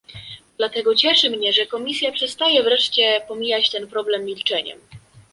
Dlatego cieszy mnie, że Komisja przestaje wreszcie pomijać ten problem milczeniem